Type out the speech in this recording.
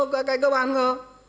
cái cơ bản có